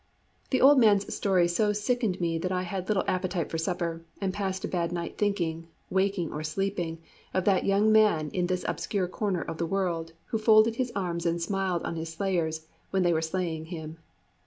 The old man's story so sickened me that I had little appetite for supper, and passed a bad night thinking, waking or sleeping, of that young man in this obscure corner of the world who folded his arms and smiled on his slayers when they were slaying him.